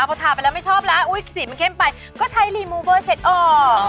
พอทาไปแล้วไม่ชอบแล้วสีมันเข้มไปก็ใช้รีมูเบอร์เช็ดออก